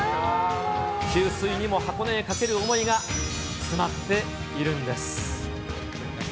給水にも箱根にかける思いが詰まっているんです。